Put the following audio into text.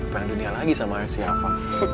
perang dunia lagi sama si rafa